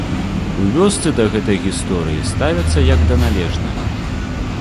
У вёсцы да гэтай гісторыі ставяцца як да належнага.